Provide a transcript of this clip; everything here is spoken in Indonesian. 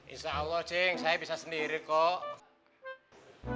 insya allah jeng saya bisa sendiri kok